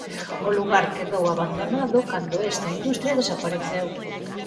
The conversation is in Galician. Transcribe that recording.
O lugar quedou abandonado cando esta industria desapareceu.